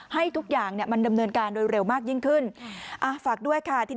ให้ทุกอย่างเนี่ยมันดำเนินการโดยเร็วมากยิ่งขึ้นฝากด้วยค่ะ